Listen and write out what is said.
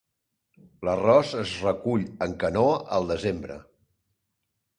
L'arròs es recull en canoa al desembre.